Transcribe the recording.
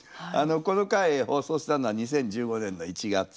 この回放送したのは２０１５年の１月。